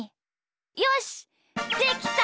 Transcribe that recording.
よしできた！